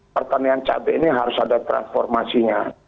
pertanian cabai ini harus ada transformasinya